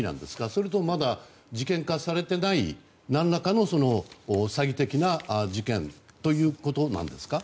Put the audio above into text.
それともまだ事件化されていない何らかの詐欺的な事件ということなんですか？